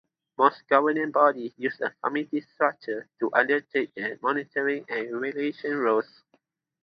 Most Governing Bodies use a committee structure to undertake their monitoring and evaluation roles.